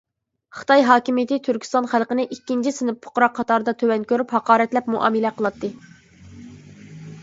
خىتاي ھاكىمىيىتى تۈركىستان خەلقىنى ئىككىنچى سىنىپ پۇقرا قاتارىدا تۆۋەن كۆرۈپ ھاقارەتلەپ مۇئامىلە قىلاتتى.